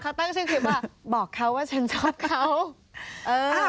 เขาตั้งชื่อคลิปว่าบอกเขาว่าฉันชอบเขาเออ